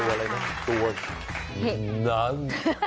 ตัวอะไรน่ะตัวนั้น